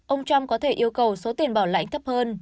ông trump có thể yêu cầu số tiền bảo lãnh thấp hơn